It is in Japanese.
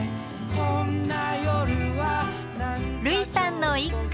類さんの一句。